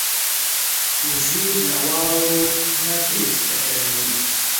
وزې له واورو نه تېښته کوي